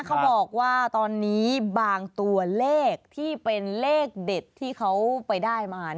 เขาบอกว่าตอนนี้บางตัวเลขที่เป็นเลขเด็ดที่เขาไปได้มา